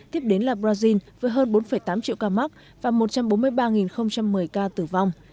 tiếp đến là brazil với hơn bốn tám triệu ca mắc và một trăm bốn mươi ba một mươi ca tử vong